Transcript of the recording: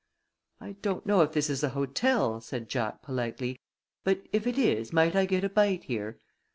"I don't know if this is a hotel," said Jack, politely, "but if it is, might I get a bite here?"